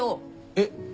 えっ？